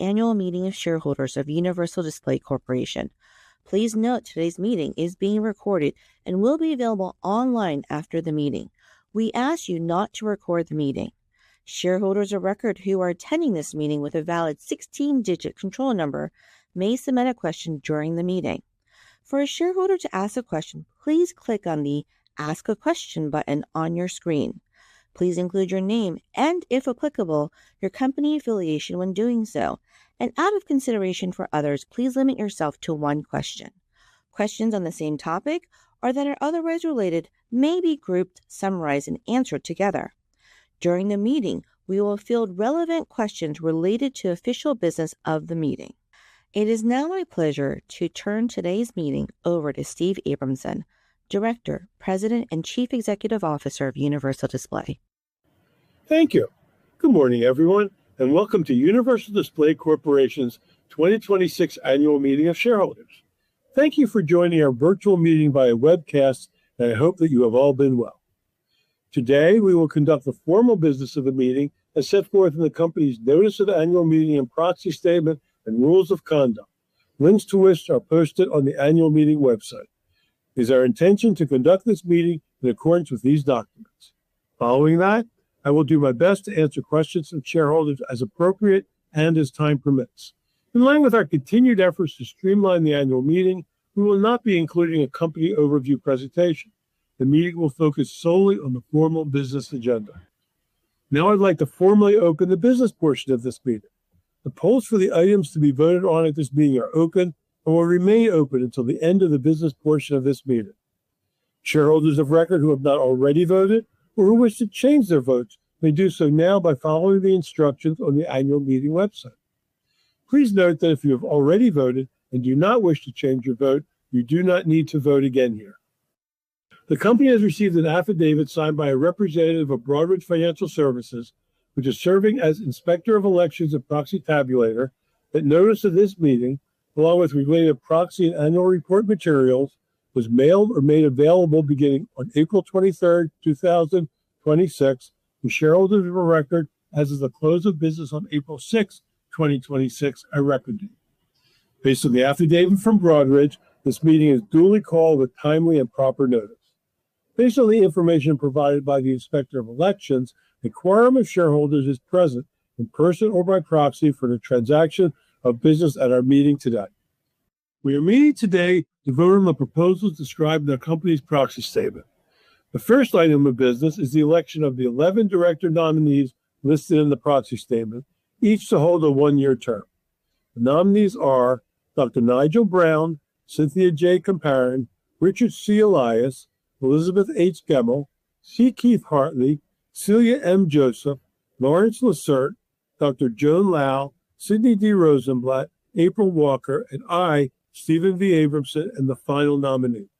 Annual Meeting of Shareholders of Universal Display Corporation. Please note today's meeting is being recorded and will be available online after the meeting. We ask you not to record the meeting. Shareholders of record who are attending this meeting with a valid 16-digit control number may submit a question during the meeting. For a shareholder to ask a question, please click on the Ask a Question button on your screen. Please include your name and, if applicable, your company affiliation when doing so. Out of consideration for others, please limit yourself to one question. Questions on the same topic or that are otherwise related may be grouped, summarized, and answered together. During the meeting, we will field relevant questions related to official business of the meeting. It is now my pleasure to turn today's meeting over to Steve Abramson, Director, President, and Chief Executive Officer of Universal Display. Thank you. Good morning, everyone, and welcome to Universal Display Corporation's 2026 Annual Meeting of Shareholders. Thank you for joining our virtual meeting via webcast, and I hope that you have all been well. Today, we will conduct the formal business of the meeting as set forth in the company's notice of the Annual Meeting and proxy statement and rules of conduct. Links to which are posted on the Annual Meeting website. It is our intention to conduct this meeting in accordance with these documents. Following that, I will do my best to answer questions from shareholders as appropriate and as time permits. In line with our continued efforts to streamline the Annual Meeting, we will not be including a company overview presentation. The meeting will focus solely on the formal business agenda. Now I'd like to formally open the business portion of this meeting. The polls for the items to be voted on at this meeting are open and will remain open until the end of the business portion of this meeting. Shareholders of record who have not already voted or who wish to change their votes may do so now by following the instructions on the Annual Meeting website. Please note that if you have already voted and do not wish to change your vote, you do not need to vote again here. The company has received an affidavit signed by a representative of Broadridge Financial Solutions, which is serving as inspector of elections and proxy tabulator that notice of this meeting, along with related proxy and annual report materials, was mailed or made available beginning on April 23rd, 2026, to shareholders of record as of the close of business on April 6th, 2026, our record date. Based on the affidavit from Broadridge, this meeting is duly called with timely and proper notice. Based on the information provided by the Inspector of Elections, a quorum of shareholders is present, in person or by proxy, for the transaction of business at our meeting today. We are meeting today to vote on the proposals described in the company's proxy statement. The first item of business is the election of the 11 director nominees listed in the proxy statement, each to hold a one-year term. The nominees are Dr. Nigel Brown, Cynthia J. Comparin, Richard C. Elias, Elizabeth H. Gemmill, C. Keith Hartley, Celia M. Joseph, Lawrence Lacerte, Dr. Joan Lau, Sidney D. Rosenblatt, April Walker, and I, Steven V. Abramson, and the final nominee.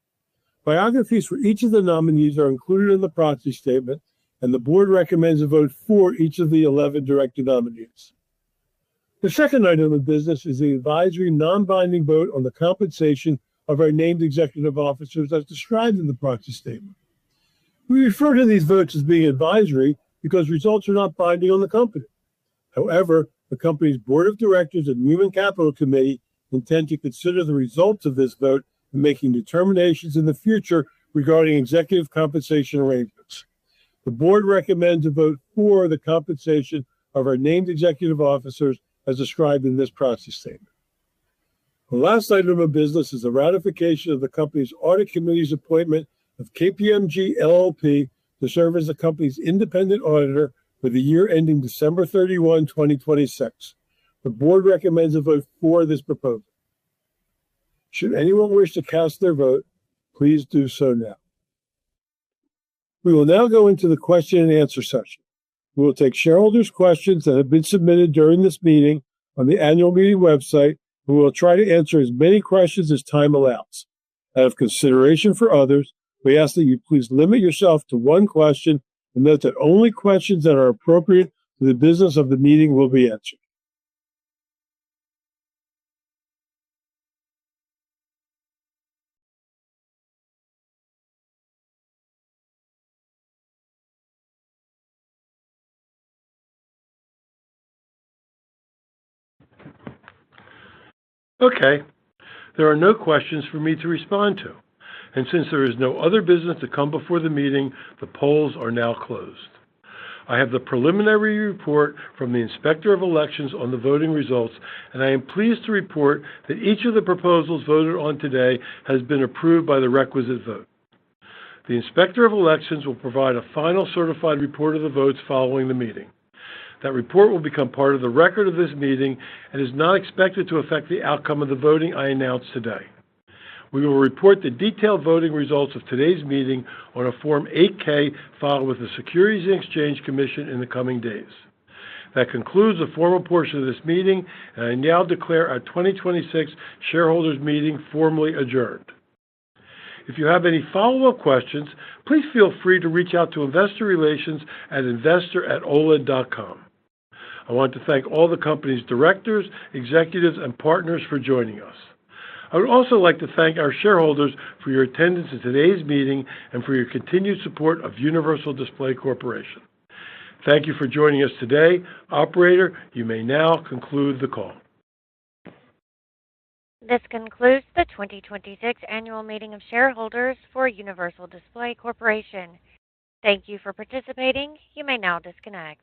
Biographies for each of the nominees are included in the proxy statement, and the board recommends a vote for each of the 11 director nominees. The second item of business is the advisory, non-binding vote on the compensation of our named executive officers as described in the proxy statement. We refer to these votes as being advisory because results are not binding on the company. However, the company's board of directors and Nominating & Corporate Governance Committee intend to consider the results of this vote in making determinations in the future regarding executive compensation arrangements. The board recommends a vote for the compensation of our named executive officers as described in this proxy statement. The last item of business is the ratification of the company's audit committee's appointment of KPMG LLP to serve as the company's independent auditor for the year ending December 31, 2026. The board recommends a vote for this proposal. Should anyone wish to cast their vote, please do so now. We will now go into the question and answer session. We will take shareholders' questions that have been submitted during this meeting on the annual meeting website. We will try to answer as many questions as time allows. Out of consideration for others, we ask that you please limit yourself to one question. Note that only questions that are appropriate to the business of the meeting will be answered. Okay. There are no questions for me to respond to. Since there is no other business to come before the meeting, the polls are now closed. I have the preliminary report from the Inspector of Elections on the voting results, and I am pleased to report that each of the proposals voted on today has been approved by the requisite vote. The Inspector of Elections will provide a final certified report of the votes following the meeting. That report will become part of the record of this meeting and is not expected to affect the outcome of the voting I announced today. We will report the detailed voting results of today's meeting on a Form 8-K filed with the Securities and Exchange Commission in the coming days. That concludes the formal portion of this meeting. I now declare our 2026 shareholders meeting formally adjourned. If you have any follow-up questions, please feel free to reach out to investor relations at investor@oled.com. I want to thank all the company's directors, executives, and partners for joining us. I would also like to thank our shareholders for your attendance at today's meeting and for your continued support of Universal Display Corporation. Thank you for joining us today. Operator, you may now conclude the call. This concludes the 2026 annual meeting of shareholders for Universal Display Corporation. Thank you for participating. You may now disconnect.